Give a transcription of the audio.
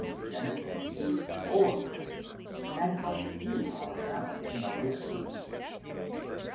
Genesis is full of them, and but few are found in the later books.